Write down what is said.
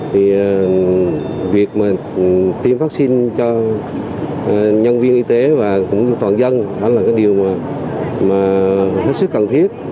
thì việc mà tiêm vaccine cho nhân viên y tế và cũng như toàn dân đó là cái điều mà hết sức cần thiết